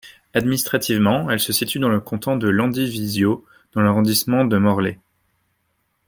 Administrativement, elle se situe dans le canton de Landivisiau, dans l'arrondissement de Morlaix.